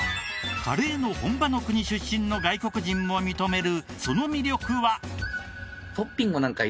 カレーの本場の国出身の外国人も認めるその魅力は？